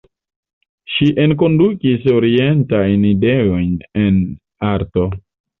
Ŝi enkondukis orientajn ideojn en arto.